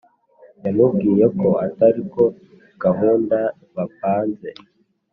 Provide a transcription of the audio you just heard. Yamubwiyeko atari yo gahunda bapanze